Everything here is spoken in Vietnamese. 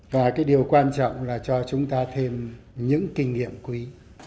và cái điều quan trọng là cho chúng ta thêm những kinh nghiệm quý